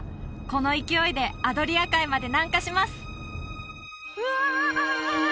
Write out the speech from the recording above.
この勢いでアドリア海まで南下しますうわ！